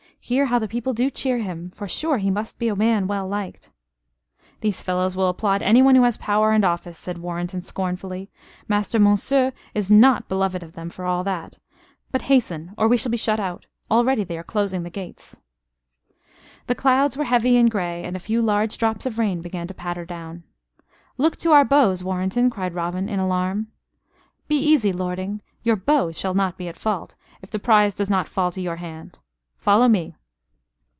"Hear how the people do cheer him! For sure he must be a man well liked " "These fellows will applaud anyone who has power and office," said Warrenton, scornfully. "Master Monceux is not beloved of them, for all that. But hasten, or we shall be shut out. Already they are closing the gates." The clouds were heavy and grey, and a few large drops of rain began to patter down. "Look to our bows, Warrenton," cried Robin, in alarm. "Be easy, lording your bow shall not be at fault if the prize does not fall to your hand. Follow me."